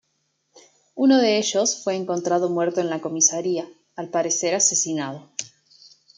Uno de ellos fue encontrado muerto en la comisaría, al parecer asesinado.